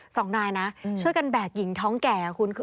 สองนายนะช่วยกันแบกหญิงท้องแก่คุณ